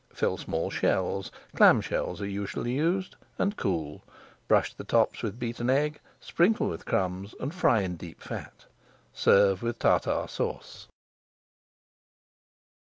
Fill small shells clam shells are usually used and cool. Brush the tops with beaten egg, sprinkle with crumbs, and fry in deep fat. Serve with Tartar Sauce.